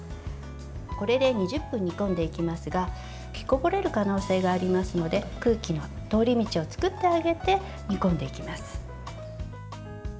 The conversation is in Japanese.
これで２０分煮込んでいきますが吹きこぼれる可能性がありますので空気の通り道を作ってあげて煮込んでいきます。